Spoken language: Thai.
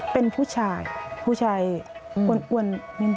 เป็นผู้ชายผู้ชายอ้วน